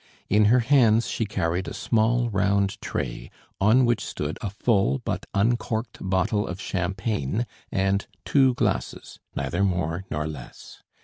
In her hands she carried a small round tray on which stood a full but uncorked bottle of champagne and two glasses, neither more nor less.